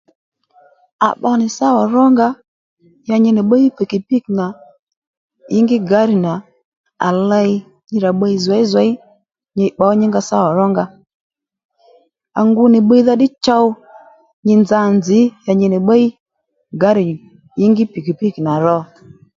À pbo nì sawa rónga ya nyi nì bbiy pikipiki nà ingi gari nà à ley nyirà bbiy zěyzěy nyi bbǒ nyǐngá sawa rónga à ngu nì bbiydha ddí chow nyi nza nzǐ ya nyi nì bbiy gari ingi pikipiki nà ro